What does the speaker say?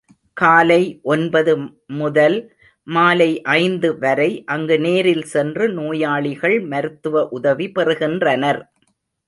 காலை ஒன்பது முதல் மாலை ஐந்து வரை அங்கு நேரில் சென்று நோயாளிகள் மருத்துவ உதவி பெறுகின்றனர்.